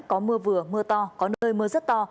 có mưa vừa mưa to có nơi mưa rất to